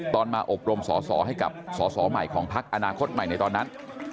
มาอบรมสอสอให้กับสอสอใหม่ของพักอนาคตใหม่ในตอนนั้น